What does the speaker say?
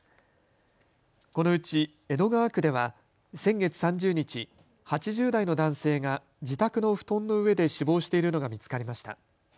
このうち江戸川区では先月３０日、８０代の男性が自宅の布団の上で死亡しているのが見つかりました。